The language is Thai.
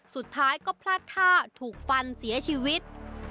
สุดท้ายก็พลาดท่าถูกฟันเสียชีวิต